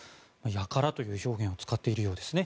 やからという表現を使っているようです。